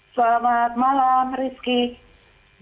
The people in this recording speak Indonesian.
selamat malam rizky